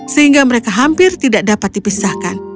sehingga mereka hampir tidak dapat dipisahkan